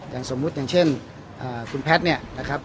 อย่างสมมุติอย่างเช่นคุณแพทย์เนี่ยนะครับ